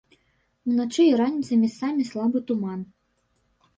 Уначы і раніцай месцамі слабы туман.